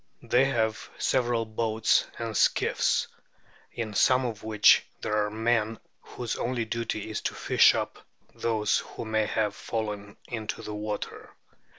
They have several boats and skiffs, in some of which there are men whose only duty is to fish up those who may have fallen into the water.